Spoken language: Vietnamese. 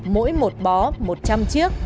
mỗi một bó một trăm linh chiếc